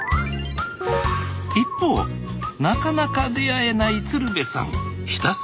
一方なかなか出会えない鶴瓶さん